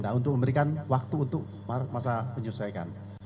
nah untuk memberikan waktu untuk masa penyelesaikan